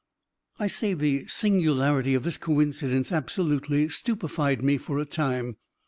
I say the singularity of this coincidence absolutely stupefied me for a time.